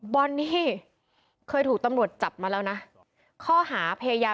บอนนี่เคยถูกตำรวจจับมาแล้วนะ